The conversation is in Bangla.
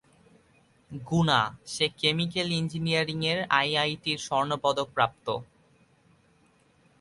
গুনা, সে কেমিকেল ইঞ্জিনিয়ারিংয়ের আইআইটি-র স্বর্ণপদকপ্রাপ্ত।